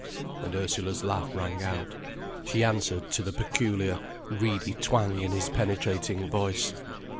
And Ursula's laugh rang out. She answered to the peculiar, reedy twang in his penetrating voice.